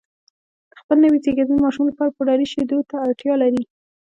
د خپل نوي زېږېدلي ماشوم لپاره پوډري شیدو ته اړتیا لري